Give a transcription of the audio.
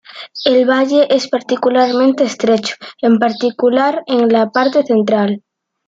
El valle es particularmente estrecho, en particular en la parte central.